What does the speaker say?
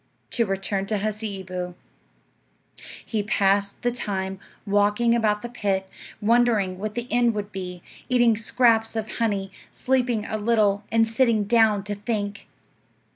To return to Hasseeboo. He passed the time walking about the pit, wondering what the end would be, eating scraps of honey, sleeping a little, and sitting down to think.